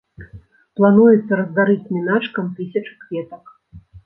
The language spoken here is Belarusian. Плануецца раздарыць міначкам тысячу кветак.